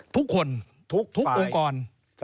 ทุกคนทุกองค์กร